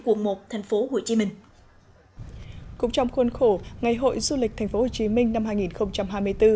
cũng trong khuôn khổ ngày hội du lịch tp hcm năm hai nghìn hai mươi bốn